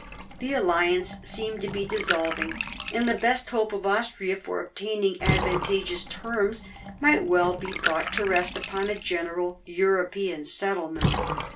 The alliance seemed to be dissolving, and the best hope of Austria for obtaining advantageous terms might well be thought to rest upon a general European settlement.